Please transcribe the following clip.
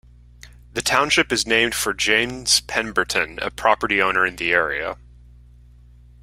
The township is named for James Pemberton, a property owner in the area.